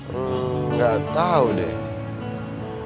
hmm gak tau deh